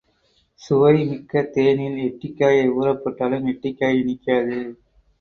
சுவைமிக்க தேனில் எட்டிக்காயை ஊறப் போட்டாலும் எட்டிக்காய் இனிக்காது!